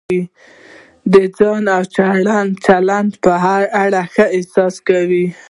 د ځان او چلند په اړه ښه احساس کوئ.